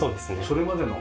それまでの。